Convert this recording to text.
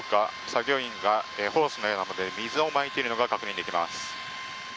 作業員がホースのようなもので水をまいているのが確認できます。